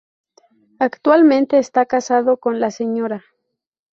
Actualmente esta casado con la Sra.